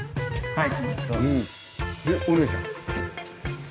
はい。